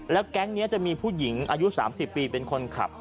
แก๊งนี้จะมีผู้หญิงอายุ๓๐ปีเป็นคนขับ